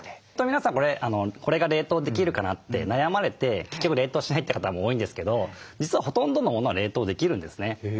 皆さんこれが冷凍できるかなって悩まれて結局冷凍しないって方も多いんですけど実はほとんどのものは冷凍できるんですね。